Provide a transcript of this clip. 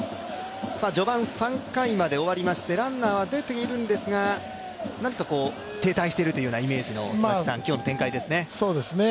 序盤３回まで終わりまして、ランナーは出ているんですが何か、停滞しているというイメージの今日の展開ですね。